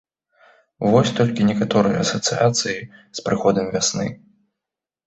Вось толькі некаторыя асацыяцыі з прыходам вясны.